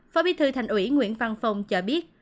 phó bí thư thành ủy nguyễn văn phong cho biết